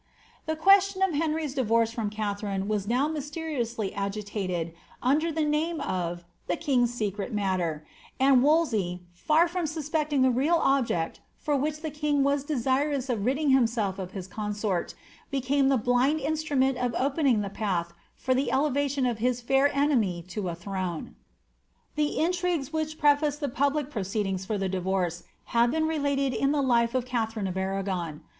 The question of Henry's divorce from Katharine was now mysteri ously agitated under the name of ^ the king's secret matter," and Wol sey, far from suspecting the real object for which the king was desirous of ridding himself of his consort, became the blind instrument of opei^ ing the path for the elevation of his fair enemy to a throne. The intrigues wliich prefaced the public proceedings for the divorce have been related in the life of Katharine of Arragon.